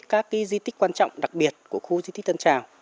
các di tích quan trọng đặc biệt của khu di tích tân trào